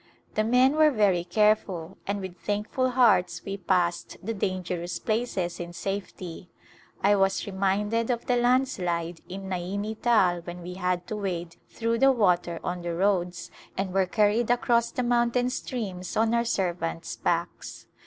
The men were very careful, and with thankful hearts we passed the dangerous places in safety. I was reminded of the landslide in Naini Tal when we had to wade through the water on the roads and were carried across the mountain streams on our servants' backs.